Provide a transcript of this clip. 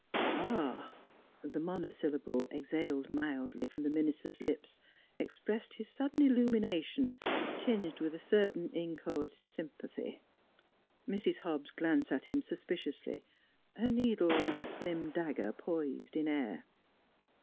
"Ah!" The monosyllable, exhaled mildly from the minister's lips expressed his sudden illumination, tinged with a certain inchoate sympathy. Mrs. Hobbs glanced at him suspiciously, her needle like a slim dagger poised in air.